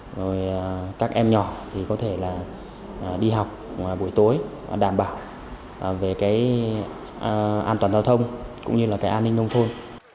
rồi các em nhỏ thì có thể là đi học buổi tối đảm bảo về cái an toàn giao thông cũng như là cái an ninh nông thôn